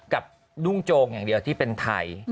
ดุ้งโจงอย่างเดียวที่เป็นไทย